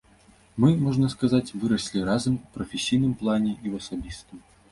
Мы, можна сказаць, выраслі разам і ў прафесійным плане, і ў асабістым.